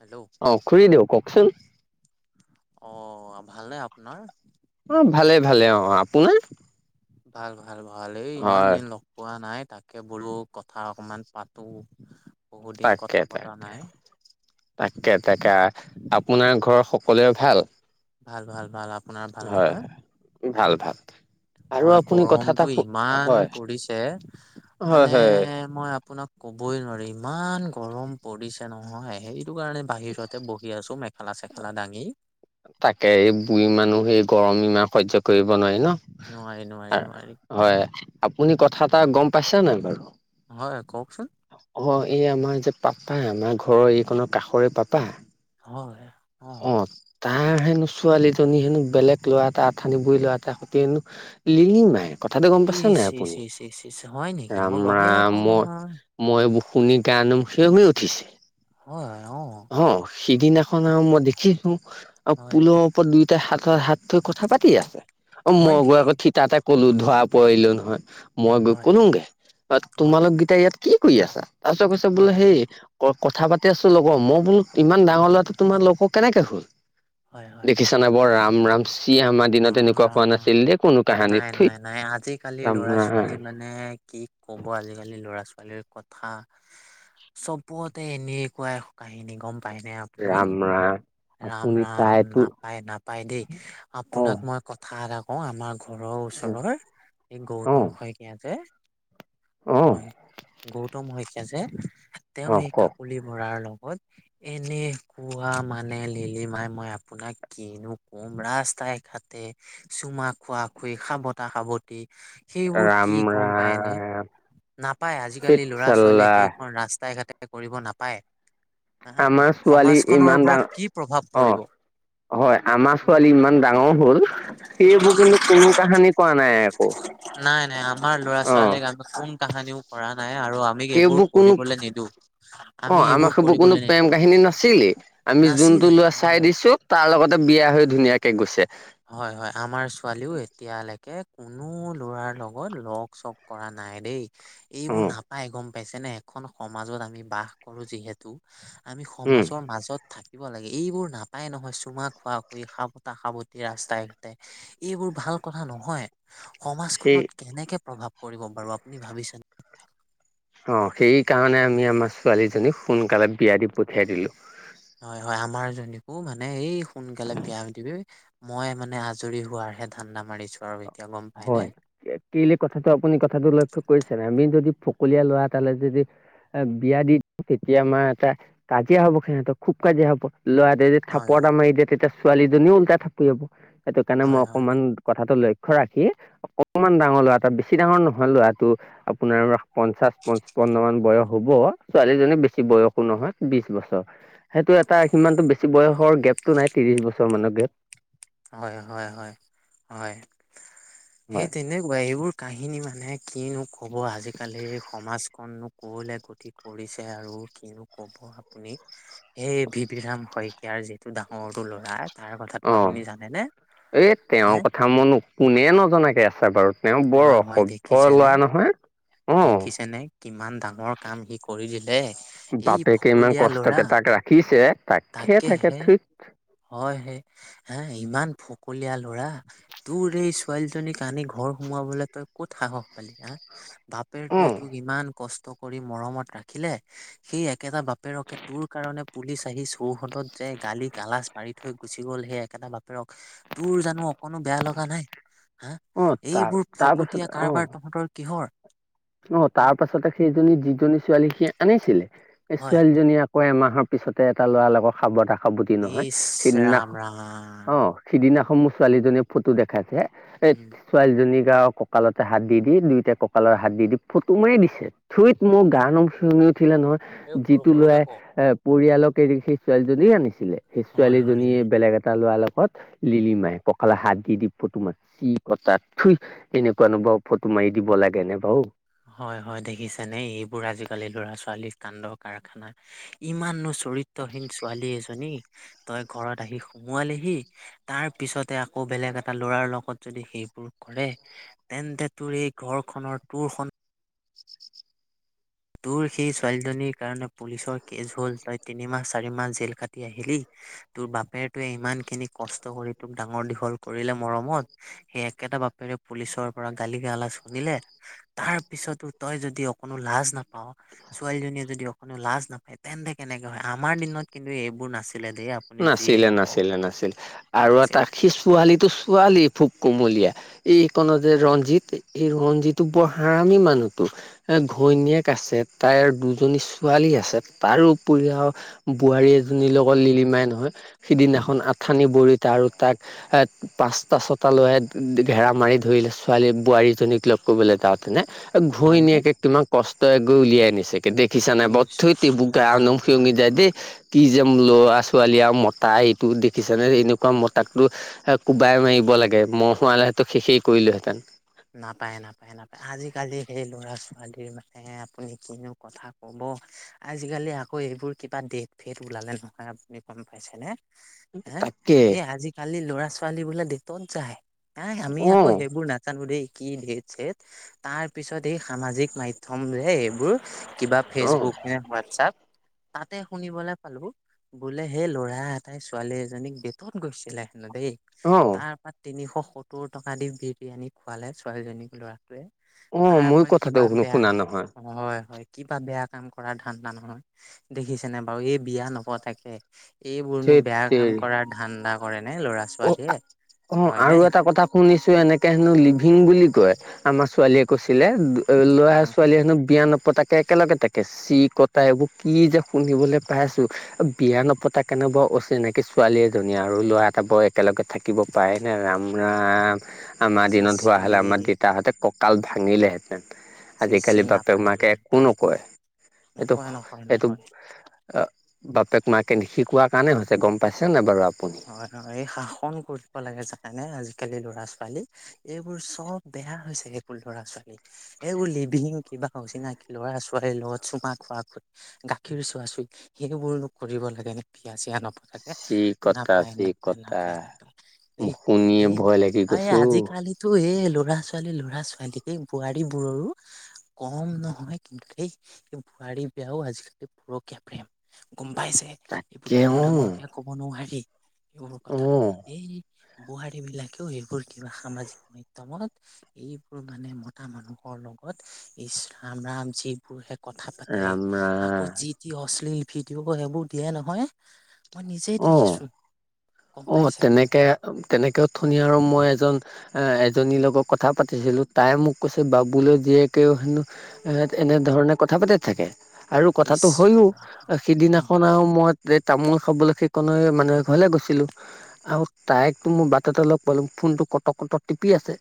Hello আহ খুৰি দিওঁ কওকচোন। অ ভাল নে আপোনাৰ। কোন। ভাল ভাল ভাল এই ইমান দিন লগ পোৱা নাই। তাকে বলো কথা অকমান পাতো। বহুত দিন কথা তাকে পতা তাকে নাই তাকে তাকে। আপোনাৰ ঘৰ সকলোৱে ভাল। ভাল ভাল ভাল আপোনাৰ ভাল হয় নহয়। ভাল ভাল। আৰু হয় আপুনি কথা এটা গৰমতটো শু ইমান হয় পৰিছে। হয় মানে হয় মই আপোনাক। ক'বই নোৱাৰি ইমান গৰম পৰিছে নহয় সেইটো কাৰণে বাহিৰতে বহি আছো। মেখেলা চেখেলা দাঙি। তাকে এই বুঢ়ী মানুহ সেই গৰম ইমাহ সহজ্য কৰিব নোৱাৰি ন নোৱাৰি নোৱাৰি নোৱাৰি হয়। আপুনি কথা এটা গম পাইছে নাই বাৰু। হয় কওকচোন। অ এই আমাৰ যে পাপা আমাৰ ঘৰৰ এইখনৰ কাষৰে পাপা। হয়। অ। তাৰ হেনো ছোৱালীজনী হেনো বেলেগ ল'ৰা এটা আথানি বুঢ়ী ল'ৰাটাৰ সৈতে হেনো লিঙি মাই। ই ইচ শ শি হয় নেকি ৰাম মই গমেই ৰাম নাপাওঁ মই নহয়। মই এইবোৰ শুনি গানোম সিয়ৰি উঠিছে। হয় হয় অ। সিদিনাখন আৰু মই দেখিছো আৰু হয় পুলৰ ওপৰত দুয়োটাই হাতৰ হাত থৈ কথা পাতি আছে। অ হয় মইগৈ নেকি? আকৌ থ তাতে কলো ধৰা পৰিলো নহয়। মই গৈ হয়, কলোগে হয়, তোমালোক গেইটায়া ইয়াত কি কৰি আছা তাৰপিছত কৈছ বোলে হয়, হেই। কথা পাতি আছো লগৰ মই বোলো ইমান ডাঙৰ ল'ৰাটো তোমাৰ লগৰ কেনেকে হল। হয়, হয়। দেখিছ না বৰ ৰাম ৰাম চি আমাৰ দিনত ৰাম এনেকুৱা হোৱা নাছিল ৰাম। দেই কোনো। কাহানীত নাই থুইত নাই নাই আজিকালি ৰাম লৰা ৰাম ছোৱালী মানে কি কব আজিকালি লৰা ছোৱালীৰ। কথা চবতে এনেকুৱা কাহিনী গম প। ৰাম ৰাম। ৰাম আপুনি ৰাম তাইতো নাপায় নাপায় দেই অ আপোনাক মই কথা এটা কওঁ আমাৰ। ঘৰৰ ওচৰৰ অ এই গৌতম শইকীয়া যে। অ হয় গৌতম শইকীয়াা যে তেওঁ অ এই কওক কাকলি বৰাৰ লগ। এনে খোৱা মান। লিলি মাই মই আপোনাক কিনো কম ৰাস্তাই ঘাটে চুমা খোৱা। সাৱতা সাৱটি সেইবোৰ ৰাম কি গম পায়নে। ৰাম নাপায় আজিকালি লৰা ছোৱালীয়ে চিতচাল্লা সেইখন ৰাস্তাই ঘাটে কৰিব নাপায়। হা আমাৰ ছোৱালী সমাজখনৰ ইমান ওপৰত ডাঙৰ। কি প্ৰভাৱ অ পৰিব। হয় আমাৰ ছোৱালী ইমান ডাঙৰ হ'ল। সেইবোৰ কিন্তু কোনো কাহানি কোৱা নাই আকৌ। নাই নাই আমাৰ লৰা অ ছোৱালীক আমি কোন কাহানিও কৰা নাই আৰু আমি এইবোৰ সেইবোৰ কোনো কৰিবলৈ নিদিওঁ। অ আমাৰ সবোৰ কোনো প্ৰেম কাহিনী নাছিলেই আমি। নাছিলে যোনটো লোৱা অ চাই দিছোঁ তাৰ লগতে বিয়া হৈ ধুনীয়াকে গৈছে। হয় হয় আমাৰ ছোৱালীও এতিয়ালৈকে। কোনো ল'ৰাৰ লগত লগ চগ কৰা নাই দেই অ এইবোৰ নাপায় গম পাইছেনে এখন সমাজত আমি বাস কৰো যিহেতু আমি উম সমাজৰ মাজত থাকি দিব লাগে এইবোৰ নাপায় নহয় চুমা খোৱা খুই খাবতা - খাবতি ৰাস্তাই ঘাটে এইবোৰ ভাল কথা নহয় সেই সমাজখনত কেনেকে প্ৰভাৱ কৰিব পাৰো আপুনি ভাবিছেনে? অহ, সেই কাৰণে আমি আমাৰ ছোৱালীজনীক সোনকালে বিয়া দি পঠিয়াই দিলো। হয় -হয় আমাৰ জনীকো মানে এই সোনকালে বিয়া [unintelligible] মই মানে আজৰি হোৱাৰহে ধান্দা মাৰিছো আৰু এতিয়া গম পাইনে? হয়, কেলে কথাটো আপুনি কথাটো লক্ষ্য কৰিছে নাই আমি যদি ফকলিয়া ল'ৰা এতালৈ যদি এ বিয়া দি তেতিয়া আমাৰ এটা কাজিয়া হব সিহঁতক খুব কাজিয়া হ'ব। ল'ৰাটোৱে যদি হয়, থাপৰ হয়। এটা মাৰি দিয়ে তেতিয়া ছোৱালীজনীও ওল্টাই থাপৰীয়াব। সেইটো কাৰণে মই হয়, হয়। অকমান কথাটো লক্ষ্য ৰাখি অকমান ডাঙৰ ল'ৰা এটা বেছি ডাঙৰ নহয় ল'ৰা টো আপোনাৰ পঞ্চাশ পচপন্ন মান বয়স হব। ছোৱালীজনী বেছি বয়সো নহয় বিশ বছৰ। সেইটো এটা সিমানটো বেছি বয়সৰ গেপতটো নাই ত্ৰিশ বছৰ মানৰ গেপ। হয় হয় হয়। সেই হয় তেনেকুৱা এইবোৰ কাহিনী মানে কিনো কব আজিকালিৰ সমাজ কন নো ক'লে গতি কৰিছে আৰু কিনো কব আপুনি এই ভি ভি ৰাম শইকীয়াৰ যিটো ডাঙৰটো ল'ৰা তাৰ কথাটো অহ, আপুনি জানেনে এ তেওঁৰ হে কথা মনো কোনে নজনাকে আছে বাৰু। তেওঁ বৰ হয় হয় অসভ্য দেখিছেনে লৰা নহয় অহ। দেখিছেনে কিমান ডাঙৰ কাম সি কৰি দিলে। এই বাপেকে ইমান ফকলীয়া ল'ৰা কষ্টকে তাক ৰাখিছে তাকে থাকে তাকেহে থুইত। হয়, সে হ ইমান ফকলীয়া ল'ৰা তোৰ এই ছোৱালীজনীক আনি ঘৰ সোমোৱাবলৈ তই ক'ত সাহস পাই অ বাপেৰটোৱে তোক ইমান কষ্ট কৰি মৰমত ৰাখিলে সেই একেটা বাপ বাপেৰকে তোৰ কাৰণে পুলিচ আহি চৌহদত যে গালি -গালাজ পাৰি থৈ গুচি গ'ল সেই একেটা বাপেৰক তোৰ জানো অকনো বেয়া লগা নাই হা, অ তাৰ এইবোৰ ফকতীয়া কাৰবাৰ তহঁতৰ কিহৰ অহ, উম তাৰ পাছতে সেইজনী যিজনী ছোৱালী সি আনিছিলে এই হয় ছোৱালীজনী আকৌ আমাক পিছতে এটা ল'ৰা লগৰ সাৱতা- সাৱটি নহয় ইচ ৰাম সিদিনাখন ৰাম অহ সিদিনা সমূহ ছোৱালীজনীয়ে ফটো দেখাইছে এ উম ছোৱালীজনীক গাঁৱ ককালতে হাত দি -দি দুয়োটাই কঁকালৰ হাত দি -দি ফটো মাৰি দিছে। থুইত মোৰ হা গাৰ নোম শিয়ৰি উঠিলে নহয় এই সৰু যিটো সৰুকে লয়াই ক পৰিয়ালক [unintelligible] ছোৱালীজনী আনিছিলে সেই হয় হয় ছোৱালীজনীয়ে বেলেগ এটা ল'ৰালগত লিলি মাই ককালত হাত দি- দি ফটো মাত চি কটা থুই এনেকুৱাও নো বাৰো ফটো মাৰি দিব লাগে নে হয় -হয় দেখিছা নে এইবোৰ আজিকালি ল'ৰা- ছোৱালী কান্দ কাৰখানা ইমান নোচ চৰিত্ৰহীন ছোৱালী জনী তই ঘৰত আহি সুমোৱালিহি তাৰ পিছতে আকৌ বেলেগ এটা ল'ৰাৰ লগত সেইবোৰ কৰে তেনতে তোৰ এই ঘৰখনৰ টোৰ সন তোৰ সেই ছোৱালীজনীৰ কাৰণে পুলিচৰ কেছ হল তই তিনিমাহ, চাৰি মাহ জেল কাটি আহিলি তোৰ বাপেৰতোৱে ইমান খিনি কষ্ট কৰি তোক ডাঙৰ দীঘল কৰিলে মৰমত সেই একেটা বাপেৰে পুলিচৰ পৰা গালি- গালাজ শুনিলে তাৰ পিছতো তই যদি অকণো লাজ নাপ- ছোৱালীজনীয়ে যদি অকণো লাজ নাপায় তেন্তে কেনেকে হয়, আমাৰ দিনত কিন্তু এইবোৰ নাছি নাছিলে- নাছিলে- নাছিলে আৰু এটা নাছিলে সি ছোৱালীটো -ছোৱালী ফ কুমলীয়া এইকণত যে ৰঞ্জিত এই ৰঞ্জিতো বৰ হাৰমি মানুহতো এ ঘৈনীয়েক আছে তাইৰ দুজনী ছোৱালী আছে তাৰো উপৰি আৰু বোৱাৰী এজনীৰ সৰু লগত সৰুকে লিলিমাই পায় নহয় সিদিনাখন আঠানি বৰিত তাৰো তাক এ পাঁচটা, ছটা ল'ৰাই ঘেৰা মাৰি ধৰিলে ছোৱালী বোৱাৰীজনীক লগ কবলৈ তাতেনে নহয়নে ঘৈনিয়াকে কিমান কষ্ট এক গৈ উলিয়াই আনিছে। দেখিছা নাই বাওঁ ইচ থুইত এবুগা ৰাম নম ৰাম শিঙি যায় ৰাম দেই কি যে ল'ৰা ছোৱালী আৰু মতা এইটো দেখিছেনে এনেকুৱা মতাটো কোবাই মাৰিব লাগে মহ' হোৱালে। শেষ কৰিলোহেঁতেন। নাপায় নাপায় নাপায় আজিকালি সেই ল'ৰা ছোৱালীৰ মানে আপুনি কিনো কথা কব অ আজিকালি আকৌ এইবোৰ কিবা ডেট ফেট ওলালে নহয় আপুনি গম পাইছেনে তাকে হে আজিকালি ল'ৰা ছোৱালী বোলে ডেতত যায় নাই আমি অ আকৌ সেইবোৰ নাথ জানো দে কি ডেত চেদ তাৰ পিছত এই সামাজিক মাধ্যম এইবোৰ কিবা অ ফেচবুক নে হোৱাটছআপ তাতে শুনিবলে পালো বোলে সেই ল'ৰা এটাই ছোৱালী এজনীক ডেটত গৈছিলে দেই অ তাৰপা তিনিশ সত্তৰ টকা দি বিৰিয়ানী খোৱালে ছোৱালীজনীক ল'ৰাটোৱে অ তাৰ ময়ো পৰা কথাটো কিবা শুনো বেয়া শুনা নহয় হয় - হয়। কিবা বেয়া কাম কৰাৰ ধাণ্ডা নহয় দেখিছেনে বাৰু এই বিয়া নপতাকে এইবোৰনো ধেত বেয়া কাম কৰা ধাণ্ডা অহ - আ-অহ নে আৰু এটা কথা শুনিছো এনেকে হেনো ল ভীং বুলি কয় আমাৰ ছোৱালীয়ে কৈছিলে ল'ৰা অ' ছোৱালীয়ে হেনো বিয়া নপতাকে তাকে একেলগে তাকে চি কটা এইবোৰ কি যে শুনিবলৈ পাই আছো বিয়া নপতাকে‌ নো বাও অচিনাকি ছোৱালীয়ে এজনী আৰু ল'ৰা এটা বৰ একেলগে থাকিব পাৰে নে ৰাম ৰাম আমাৰ চি দিনত হোৱা চি হলে আমাৰ দেতাহঁতে কাল ভাঙিলেহেঁন চি চি আজিকালি বাপেক নাপায় মাকে দেই একো নাপায় নকয় এইটো নকয় নকয় এইটো নকয় অ বাপেক মাকে নিশিকোৱা কাৰণে হৈছে গম পাইছে নে বাৰু আপ হয় এই শাসন কৰিব লাগে জানা নে আজিকালি ল'ৰা ছোৱালী এইবোৰ চব বেয়া হৈছে সেইবোৰ ল'ৰা ছোৱালী এ উই লিভিহিং কিবা অচিনাকি লৰা ছোৱালীৰ লগত চুমা খোৱা খৈ গাখীৰ চোৱা চুই সেই বোৰো কৰিব লাগে নে বিয়া চিয়া নপতাকে চি নাপ কটা নাপায় চি নাপায় কটা। নাপায় নাপায় এই মোক শুনিয়ে এই ভয় লাগি আ গৈছে অ আজি কালি তো এই ল'ৰা ছোৱালী লৰা ছোৱালী সেই বোৱাৰীবোৰৰো কম নহয় কিন্তু দেই বাৰী বেয়াও আজিকালি পুৰকীয়া প্ৰেম গম পাইছে এইবোৰ তাকে ডাঙৰ অ ডাঙৰকে ক'ব নোৱাৰি এইবোৰ অ কথা এই বোৱাৰী বিলাকেও এইবোৰ কিবা সামাজিক মাধ্যয়মত এইবোৰ মানে মতা মানুহক লগত ইচ ৰাম ৰাম যিবোৰ কথা পাতে ৰাম ৰাম আকৌ যি যি অশ্লীল ভিডিঅ' সেইবোৰ দিয়ে নহয় মই নিজেই অ দেখিছো গম অ পাইছে তেনেকে তেনেকেও ওথনি আৰু মই এজন এ এজনীৰ লগত কথা পাতিছিলো তাই মোক কৈছে বাবুলৈ জীয়েকেও হেনো এ এনেধৰণে কথা পাতি থাকে আৰু ইচ কথাটো ৰাম হয়ও ৰাম সিদিনাখন আৰু মই যে তামোল খাবলৈ সেই কণে মানে ঘৰলে গৈছিলো আৰু তাইকতো মোৰ বাট এটা লগ পালো ফোনটো কটক কটক টিপি আছে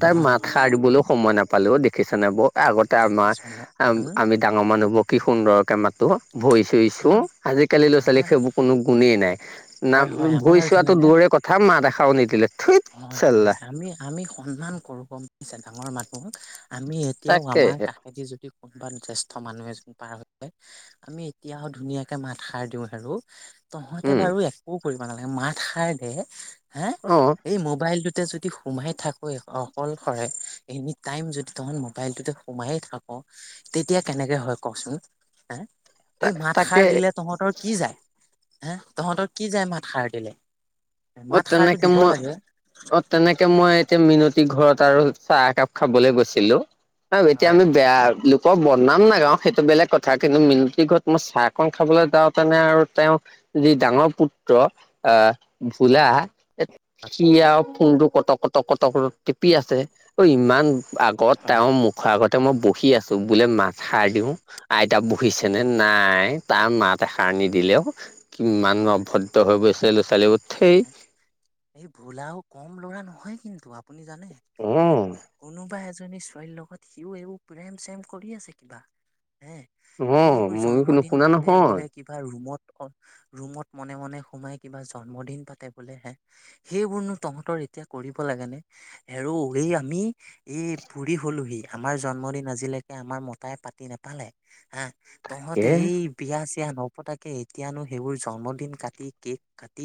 তাৰ হয় মাত হয় সাৰ দিবলৈও সময় নাপালো দেখিছা ন ব আগতে আমাৰ দেখিছো নে উম আমি ডাঙৰ মানুহবোৰ কি সুন্দৰকে মাতো ভৰি চুই ছো আহ আজিকালি ল' ছোৱালী আমাৰ সেইবোৰ কোনো নিয়ে নাই না হয় হয় ভুই আমাৰ চোৱাতো জানেনে দূৰে কথা মাত এষাৰো নিদিলে থুইত হয় হয় চাল্লা আমি আমি সন্মান গম পাইছা ডাঙৰ মানুহক আমি এতিয়াও আমাৰ তাকেহে কাষেদি যদি কোনোবা জ্যেষ্ঠ মানুহ এজন পাৰ আমি এতিয়াও ধুনীয়াকে মাত সাৰ দিও হেৰু তহঁতে উম বাৰু একো কৰিব নালাগে মাত সাৰ দে হা অ এই মোবাইলটোতে যদি সোমাই থাকো অকলশৰে এনি টাইম যদি তত মোবাইলটোতে সোমাই [unintelligible] তেতিয়া কেনেকে হয় কচোন। এই মাত সাৰ তাকে দিলে তহঁতৰ কি যায় হে তহঁতৰ কি যায় মাত খাৰ দিলে অ মাত খাৰটো তেনেকে দিব মই লাগে। অ তেনেকে মই এতিয়া মিনতি ঘৰত আৰু চাহ একাপ খাবলৈ গৈছিলো [unintelligible] অ এতিয়া হয় আমি বেয়া লোকৰ বদনাম নাগাও সেইটো বেলেগ কথা কিন্তু মিনতি ঘৰত মই চাহকন খাবলৈ যাওঁতেনে আৰু তেওঁ যি ডাঙৰ পুত্ৰ আহ ভোলা এ সি আৰু ফংটো কটক কটক কটক কটক টিপি আছে অ ইমান আগত হয় তেওঁৰ মুখ আগত ততে মই বহি আছো বোলে মাত সাৰ দিও আইতা বহিছেনে নাই তাৰ মাত এষাৰ নিদিলেও কিমান অভদ্ৰ হৈ গৈছে ল'ৰা ছোৱালী ঠেই এই ভোলাও কম ল'ৰা নহয় কিন্তু আপুনি জানে হ উম কোনোবা এ [unintelligible] জনী ছোৱালীৰ লগত সিও এ প্ৰেম চেম কৰি আছে কিবা [inaudible] হে অ', এইবোৰ ময়ো জন্মদিন নুশুনা পাতে নহয়, বোলে কিবা ৰুমত [inaudible] ৰুমত মনে মনে সোমাই কিবা জন্মদিন পাতে বোলেহে [inaudible] সেইবোৰনো তহঁতৰ এতিয়া কৰিব লাগে নে হেৰৌ এই আমি এই বুৰি হলোহি আমাৰ জন্মদিন আজিলৈকে আমাৰ মতাই পাতি নোপালে। হা তহঁতে তাকে এই বিয়া এতিয়া নপতাকে এতিয়ানো সেইবোৰ জন্মদিন কাটি কেক কাটি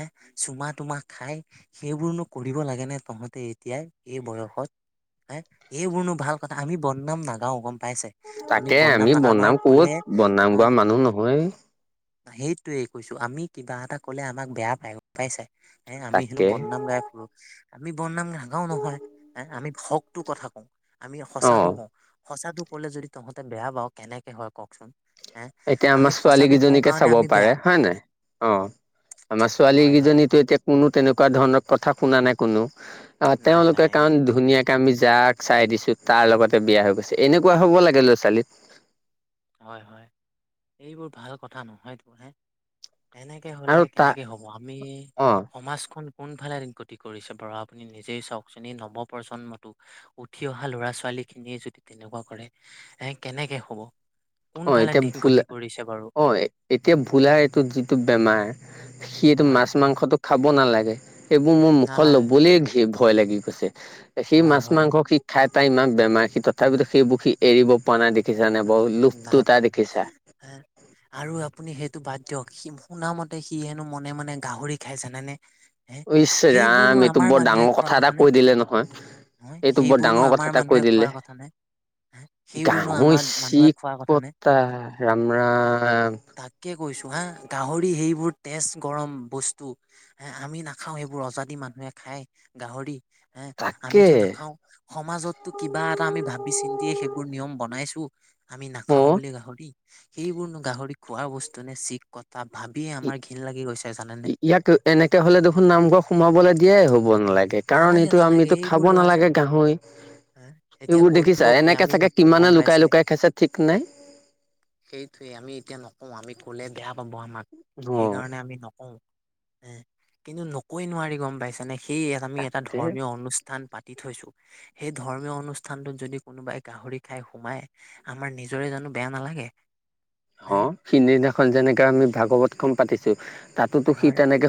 এ চুমাত চুমা খাই সেইবোৰনো কৰিব লাগে ন তহঁতে এতিয়া এই বয়সত হা এইবোৰনো ভাল কথা আমি বদনাম নাগাও গম পাইছে তাকে আমি না আমাৰ বদনাম কলে কত বদনাম গোৱা মানুহ নহয় সেইটোৱেই কৈছো আমি কিবা এটা কলে আমাক বেয়া পাই পাইছে আমি হেনো তাকে বদনাম গায় ফুৰো আমি বদনাম নাগাও নহয় আমি ভকটোৰ কথা কওঁ আমি সঁচাটো অ', কওঁ সঁচাটো কলে যদি তহঁতে বেয়া পাওঁ কেনেকে হয় কওকচোন হে এতিয়া আমি আমাৰ ছোৱালী সঁচাটো কওঁ কেইজনীকে কাৰণে চাব আমি বেয়া পাৰে হয়ে নাই অ আমাৰ ছোৱালী হয় হয় কেইজনীটো এতিয়া কোনো তেনেকুৱা ধৰণৰ কথা শুনা নাই কোনো আহ নাই তেওঁলোকে নাই নাই কাৰণ নাই। ধুনীয়াকে আমি যাক চাই দিছো তাৰ লগতে বিয়া হৈ গৈছে এনেকুৱা হ'ব লাগে ল'ৰা ছোৱালী হয় হয় এইবোৰ ভাল কথা নহয়তো হে এনেকে হলে আৰু তাৰ কেনেকে হব আমি অ', সমাজখন কোনফালে গতি কৰিছে বাৰ আপুনি নিজেই চাওকচোন এই নৱপজন্মতো উঠি অহা ল'ৰা ছোৱালী খিনিয়ে যদি তেনেকুৱা কৰে এ কেনেকে হ'ব অ কোনফালে এতিয়া দিশ গতি ভোলা কৰিছে বাৰু অ এতিয়া ভোলা এইটো যিটো বেমাৰ সিটো হয় মাছ মাংসতটো খাব নালাগে সেইবোৰ মোৰ মুখত নালাগে লবলে ঘৃণ লবলে ভয় লাগি গৈছে সেই হয় হয় মাছ-মাংস সি খাই তাই ইমান বেমাৰ সি তথাপিতো সেইবোৰ সি এৰিব পোৱা নাই দেখিছানে বাৰু লোভটো নাই তাৰ পৰা নাই দেখিছা হা আৰু আপুনি সেইটো বাদ দিয়ক সি শুনা মতে সি হেনো মনে মনে গাহৰি খাই জানানে ইশ্চ ৰাম এইটো বৰ ডাঙৰ কথা এটা কৈ দিলে নহয়। হয় এইটো বৰ সেইবোৰনো ডাঙৰ কথা আমাৰ এটা কৈ মানুহে দিলে খোৱাৰ কথা নাই। গাহৰি চি খোৱাৰ কথা নে কতা ৰাম-ৰাম তাকে কৈছো হা গাহৰি সেইবোৰ তেজ গৰম বস্তু হ আমি নাখাও সেইবোৰ অজাদি মানুহ মানুহে খাই গাহৰি হ তাকে আমিতো নাখাও সমাজতো কিবা এটা আমি ভাবিছিল সেইবোৰ নিয়ম বনাইছো আমি অ নাখাও বুলি গাহৰি সেইবোৰনো গাহৰি খোৱা বস্তু নে চি কটা ভাবিয়ে আমাৰ ঘৃণ লাগি গৈছে। জানেনে ইয়াক এনেকে হলে দেখোন নামঘৰ সোমাবলৈ দিয়াই হ'ব নালাগে কাৰণ এইটো নালাগে আমিটো খাব এইবোৰ খাব ল'ৰা ছোৱালী নালাগে গাহৰি। এতিয়া এইবোৰ কৰিব দেখিছা কি এনেকে আমি চাগে নকওঁ কিমানে গম লুকাই পাইছে। লুকাই খাইছে ঠিক নাই সেইটোৱেই আমি এতিয়া নকও আমি কলে বেয়া পাব আমাক। অ সেইকাৰণে আমি নকওঁ হ কিন্তু নক‌ই নোৱাৰি গম পাইছানে। সেই আমি এটা তাকে ধৰ্মীয় অনুষ্ঠান। পাতি থৈছোঁ সেই ধৰ্মীয় অনুষ্ঠানটোত যদি কোনোবাই গাহৰি খাই সোমাই। আমাৰ নিজৰে জানো বেয়া নালাগে। হে অ সিদিনাখন যেনেকে আমি ভাগৱত খন পাতিছো তাতোতো সি নহয়তো তেনেকে।